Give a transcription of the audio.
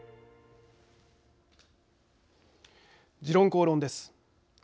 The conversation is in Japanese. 「時論公論」です。